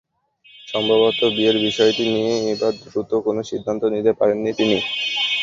সম্ভবত বিয়ের বিষয়টি নিয়ে এবার দ্রুত কোনো সিদ্ধান্ত নিতে পারেন তিনি।